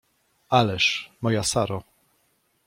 — Ależ, moja Saro!